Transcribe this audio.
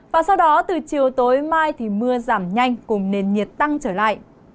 và sau đó từ chiều tối mai thì mưa giảm nhanh cùng nền nhiệt tăng trở lại